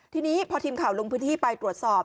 ทีนี้พอทีมข่าวลงพื้นที่ไปตรวจสอบ